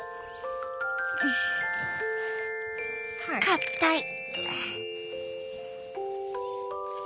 かったい！